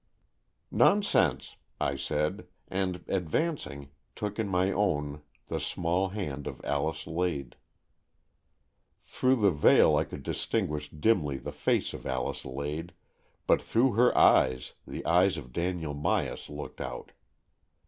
"Nonsense," I said; and, advancing, took in my own the small hand of Alice Lade. Through the veil I could distinguish dimly the face of Alice Lade, but through her eyes the eyes of Daniel Myas looked out.